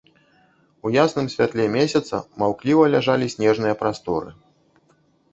У ясным святле месяца маўкліва ляжалі снежныя прасторы.